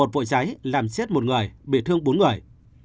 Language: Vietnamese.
một mươi một vụ cháy làm chết một người bị thương bốn người